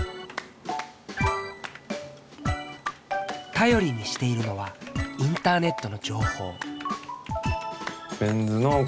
頼りにしているのはインターネットの情報。